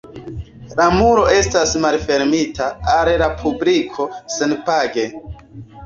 La muro estas malfermita al la publiko senpage.